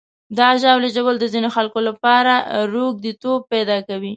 د ژاولې ژوول د ځینو خلکو لپاره روږديتوب پیدا کوي.